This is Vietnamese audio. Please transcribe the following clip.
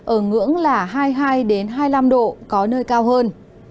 ở ngưỡng là hai mươi hai hai mươi năm độ có nơi cao hơn